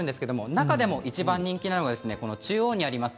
中でも一番人気なのが中央にあります